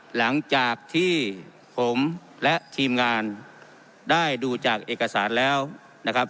หลังจากที่ผมและทีมงานได้ดูจากเอกสารแล้วนะครับ